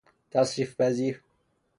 تصریف پذیر